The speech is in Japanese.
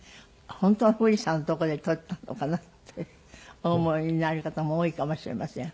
本当の富士山のとこで撮ったのかなってお思いになる方も多いかもしれません。